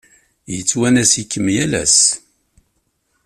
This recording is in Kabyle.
Yettwanas-ikem yal ass.